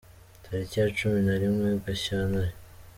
Tariki ya cumi na rimwe Gashyantare